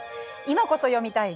今こそ読みたい